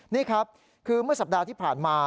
นี่ครับคือเมื่อสัปดาห์ที่ผ่านมา